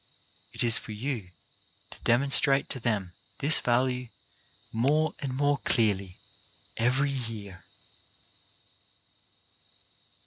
It is for you to demonstrate to them this value more and more clearly every year.